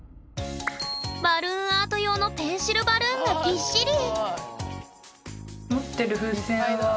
バルーンアート用のペンシルバルーンがぎっしり。